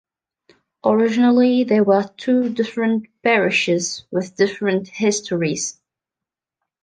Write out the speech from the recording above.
Originally they were two different parishes with different histories.